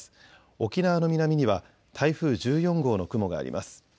沖縄の南には台風１４号の雲があります。